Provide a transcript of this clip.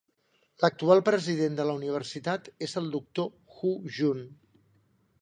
L'actual president de la universitat és el doctor Hu Jun.